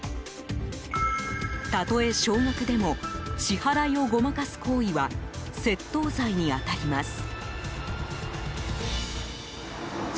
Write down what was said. たとえ少額でも支払いをごまかす行為は窃盗罪に当たります。